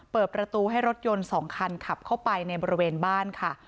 เปิดประตูให้รถยนต์๒คันขับเข้าไปในบริเวณบ้านค่ะ